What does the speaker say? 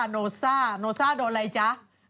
โนซ่าโนซ่าโดนอะไรจ๊ะ